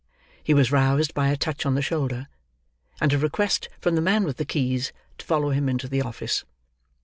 He was roused by a touch on the shoulder, and a request from the man with the keys to follow him into the office.